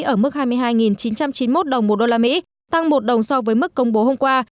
ở mức hai mươi hai chín trăm chín mươi một đồng một đô la mỹ tăng một đồng so với mức công bố hôm qua